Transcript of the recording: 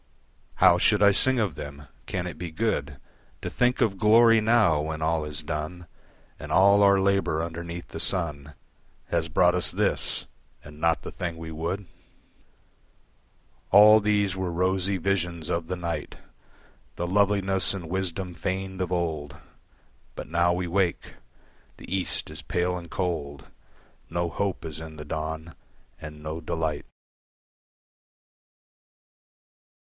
How should I sing of them? Can it be good To think of glory now, when all is done, And all our labour underneath the sun Has brought us this and not the thing we would? All these were rosy visions of the night, The loveliness and wisdom feigned of old. But now we wake. The East is pale and cold, No hope is in the dawn, and no delight.